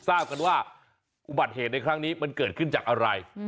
ทราบกันว่าอุบัติเหตุในครั้งนี้มันเกิดขึ้นจากอะไร